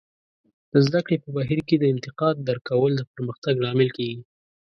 د زده کړې په بهیر کې د انتقاد درک کول د پرمختګ لامل کیږي.